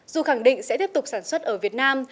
dù khẳng định sẽ tiếp tục sản xuất ở việt nam